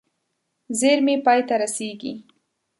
زېرمې پای ته رسېږي.